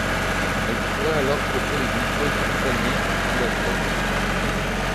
Elle pourrait alors traiter les mycoses cutanées ou la teigne.